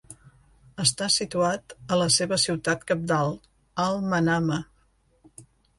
Està situat a la seva ciutat cabdal, Al-Manama.